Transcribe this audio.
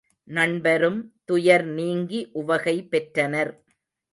நண்பரும் துயர் நீங்கி உவகை பெற்றனர்.